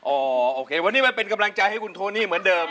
โอเควันนี้มาเป็นกำลังใจให้คุณโทนี่เหมือนเดิม